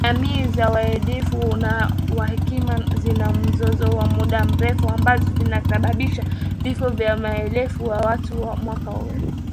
Jamii za walendu na wahema zina mzozo wa muda mrefu ambao ulisababishwa vifo vya maelfu ya watu mwaka elfu moja mia tisa tisini